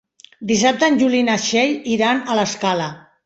Dissabte en Juli i na Txell iran a l'Escala.